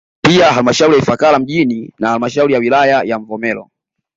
Pia halmashauri ya Ifakara mjini na halmashauri ya wilaya ya Mvomero